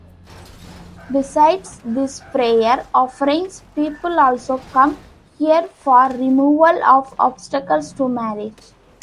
Besides these prayer offerings, people also come here for removal of obstacles to marriage.